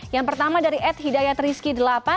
yang pertama dari ed hidayat rizky delapan